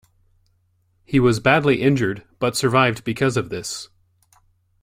He was badly injured, but survived because of this.